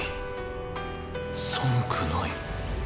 寒くない。